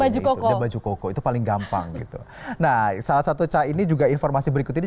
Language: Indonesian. baju itu dan baju koko itu paling gampang gitu nah salah satu ca ini juga informasi berikut ini